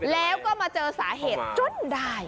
แล้วก็มาเจอสาเหตุจนได้